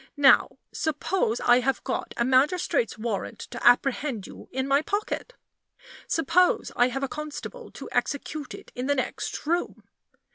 Now, suppose I have got a magistrate's warrant to apprehend you in my pocket? Suppose I have a constable to execute it in the next room?